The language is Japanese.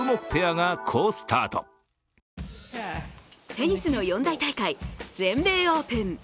テニスの四大大会、全米オープン。